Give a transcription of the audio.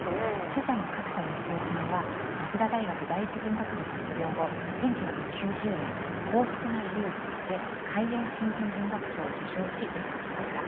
著者の角田光代さんは早稲田大学第一文学部卒業後１９９０年「幸福な遊戯」で海燕新人文学賞を受賞しデビューしました。